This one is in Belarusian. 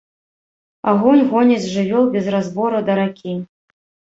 Агонь гоніць жывёл без разбору да ракі.